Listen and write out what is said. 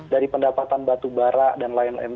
dari pendapatan batu bara dan lain lain